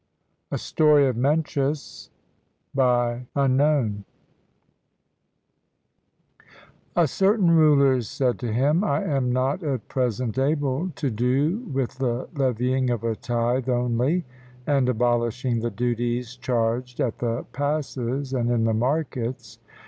A STORY OF MENCIUS A CERTAIN ruler said to him, "I am not at present able to do with the levying of a tithe only and abolishing the duties charged at the passes and in the markets.